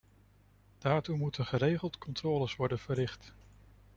Daartoe moeten geregeld controles worden verricht.